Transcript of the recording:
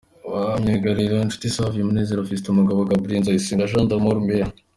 Ba myugariro : Nshuti Savio, Munezero Fiston, Mugabo Gabriel, Nzayisenga Jean d’Amour Mayor.